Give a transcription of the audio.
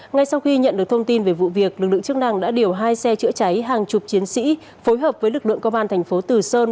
ngay sau khi nhận được thông tin về vụ việc lực lượng chức năng đã điều hai xe chữa cháy hàng chục chiến sĩ phối hợp với lực lượng công an thành phố từ sơn